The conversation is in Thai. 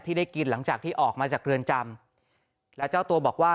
ได้กินหลังจากที่ออกมาจากเรือนจำแล้วเจ้าตัวบอกว่า